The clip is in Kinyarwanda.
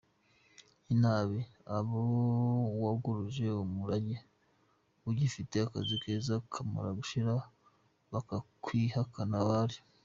inabi, abo wagurije amafaranga ugifite akazi keza kamara gushira bakakwihakana, abari.